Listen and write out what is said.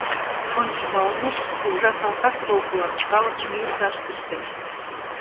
Кончымо олмеш, кугыжа салтак полкылан калыкым лӱйылташ кӱштен.